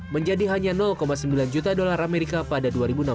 menjadi hanya sembilan juta dolar amerika pada dua ribu enam belas